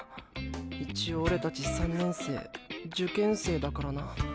一応オレたち３年生受験生だからな。